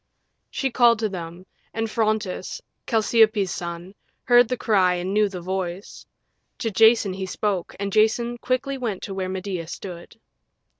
She called to them, and Phrontis, Chalciope's son, heard the cry and knew the voice. To Jason he spoke, and Jason quickly went to where Medea stood.